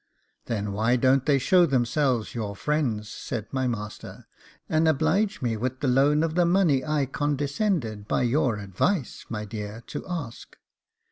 'Then why don't they show themselves your friends' said my master, 'and oblige me with the loan of the money I condescended, by your advice, my dear, to ask?